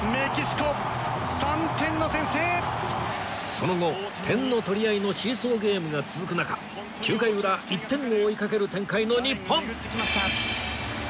その後点の取り合いのシーソーゲームが続く中９回裏１点を追いかける展開の日本